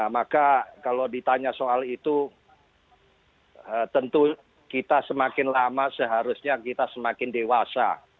maka kalau ditanya soal itu tentu kita semakin lama seharusnya kita semakin dewasa